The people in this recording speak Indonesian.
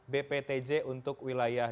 bptj untuk wilayah